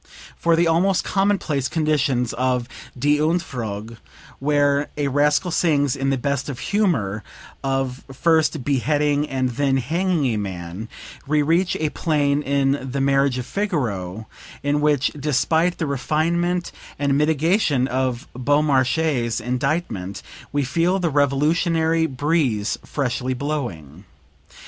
From the almost commonplace conditions of "Die Entfuhrung," where a rascal sings in the best of humor of first beheading and then hanging a man, we reach a plane in "The Marriage of Figaro," in which despite the refinement and mitigation of Beaumarchais's indictment we feel the revolutionary breeze freshly blowing.